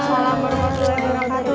assalamualaikum warahmatullahi wabarakatuh